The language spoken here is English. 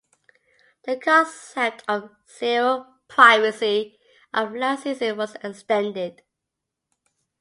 The concept of "Zero privacy" of last season was extended.